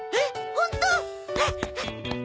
ホント！？